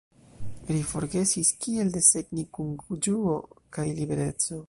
Ri forgesis kiel desegni kun ĝuo kaj libereco.